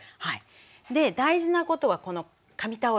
で大事なことはこの紙タオル。